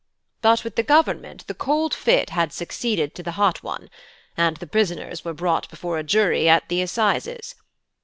But with the Government the cold fit had succeeded to the hot one; and the prisoners were brought before a jury at the assizes.